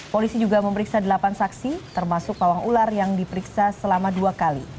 polisi juga memeriksa delapan saksi termasuk pawang ular yang diperiksa selama dua kali